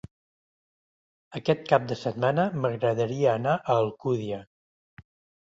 Aquest cap de setmana m'agradaria anar a Alcúdia.